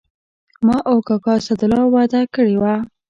ما او کاکا اسدالله وعده کړې وه.